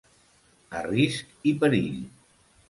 A risc i perill.